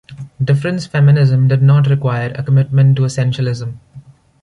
Difference feminism did not require a commitment to essentialism.